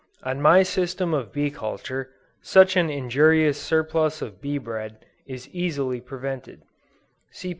On my system of bee culture, such an injurious surplus of bee bread, is easily prevented; (See p.